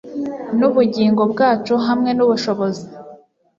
n’ubugingo bwacu, hamwe n’ubushobozi